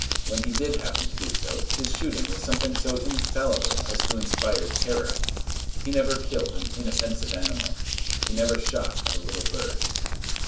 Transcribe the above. When he did happen to do so, his shooting was something so infallible as to inspire terror. He never killed an inoffensive animal. He never shot at a little bird.